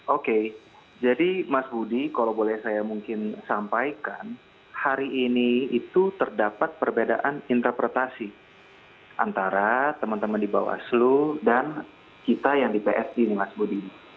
oke jadi mas budi kalau boleh saya mungkin sampaikan hari ini itu terdapat perbedaan interpretasi antara teman teman di bawah aslu dan kita yang di psi mas budi